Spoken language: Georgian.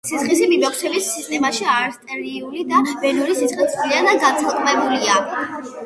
სისხლის მიმოქცევის სისტემაში არტერიული და ვენური სისხლი სრულიად განცალკევებულია.